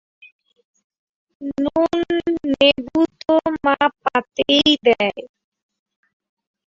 নুন নেবু তো মা পাতেই দেয়।